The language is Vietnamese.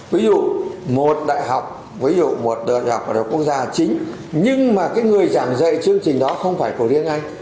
ví dụ một đại học ví dụ một đại học đại học quốc gia chính nhưng mà cái người giảng dạy chương trình đó không phải của riêng anh